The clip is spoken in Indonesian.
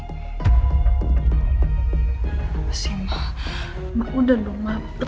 kamu gak bisa kemana mana sebelum masalah yang di pantiasuhan itu selesai